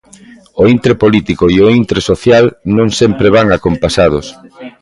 O intre político e o intre social non sempre van acompasados.